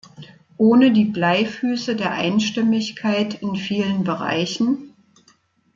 Ohne die Bleifüße der Einstimmigkeit in vielen Bereichen?